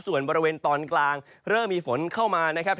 ส่วนบริเวณตอนกลางเริ่มมีฝนเข้ามานะครับ